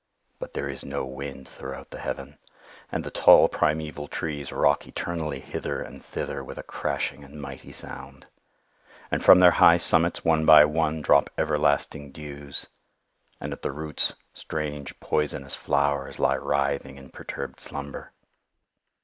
But there is no wind throughout the heaven. And the tall primeval trees rock eternally hither and thither with a crashing and mighty sound. And from their high summits, one by one, drop everlasting dews. And at the roots strange poisonous flowers lie writhing in perturbed slumber.